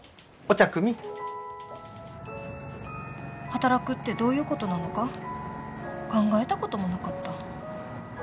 働くってどういうことなのか考えたこともなかった。